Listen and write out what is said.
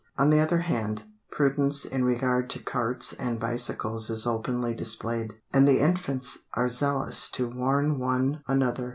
On the other hand, prudence in regard to carts and bicycles is openly displayed, and the infants are zealous to warn one another.